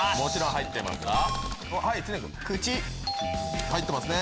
入ってますね。